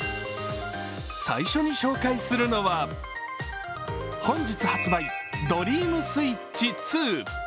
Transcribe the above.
最初に紹介するのは本日発売ドリームスイッチ２。